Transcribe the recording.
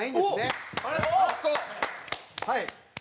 はい。